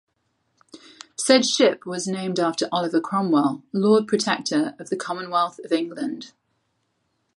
Said ship was named after Oliver Cromwell, Lord Protector of the Commonwealth of England.